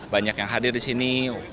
banyak yang hadir di sini